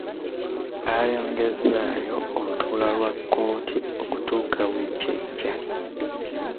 Bayongezzaayo olutuula lwa kkooti okutuuka wiiki ejja.